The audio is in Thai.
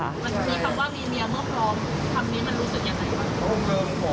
มันที่คำว่ามีเมียพ่อพร้อมคำนี้มันรู้สึกอย่างไรค่ะ